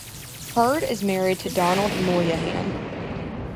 Herd is married to Donald Moynihan.